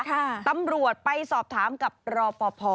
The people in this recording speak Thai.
ตำรวจไปสอบถามกับรอปภ